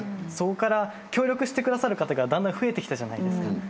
そこから協力してくださる方がだんだん増えてきたじゃないですか。